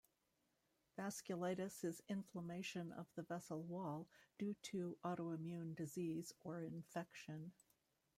Vasculitis is inflammation of the vessel wall, due to autoimmune disease or infection.